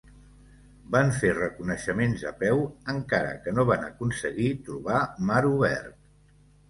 Van fer reconeixements a peu encara que no van aconseguir trobar mar obert.